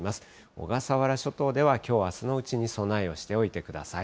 小笠原諸島ではきょう、あすのうちに備えをしておいてください。